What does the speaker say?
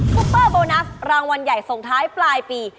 ซุปเปอร์โบนัสรางวัลใหญ่ส่งท้ายปลายปี